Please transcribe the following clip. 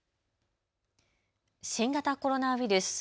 新型コロナウイルス。